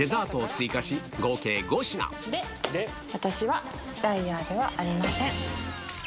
私はライアーではありません。